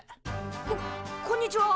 ここんにちは。